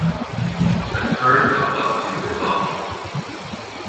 A turn of up to is optional.